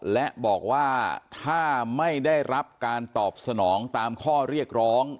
และบอกว่าถ้าไม่ได้รับการตอบสนองตามข้อเรียกร้อง